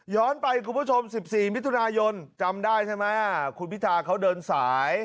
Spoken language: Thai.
ไปคุณผู้ชม๑๔มิถุนายนจำได้ใช่ไหมคุณพิธาเขาเดินสาย